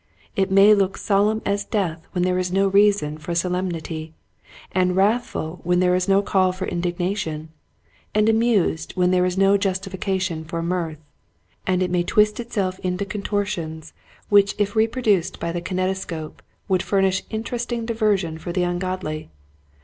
It may look solemn as death when there is no reason for solemnity, and wrathful when there is no call for indignation, and amused when there is no justification for mirth, and it may twist itself into contortions which if reproduced 1 68 Quiet Hints to Growing Preachers. by the kinetoscope would furnish inter esting diversion for the ungodly.